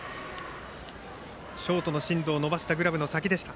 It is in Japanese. ショートの進藤が伸ばしたグラブの先でした。